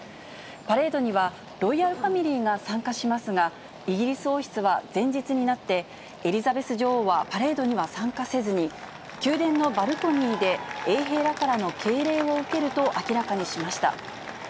パレードには、ロイヤルファミリーが参加しますが、イギリス王室は前日になって、エリザベス女王はパレードには参加せずに、宮殿のバルコニーで衛兵らからの敬礼を受けると明らかにしました。